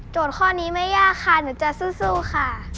ข้อนี้ไม่ยากค่ะหนูจะสู้ค่ะ